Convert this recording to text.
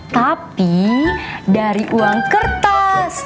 tapi dari uang kertas